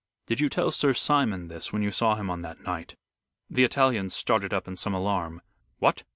"Did you tell Sir Simon this when you saw him on that night?" The Italian started up in some alarm. "What?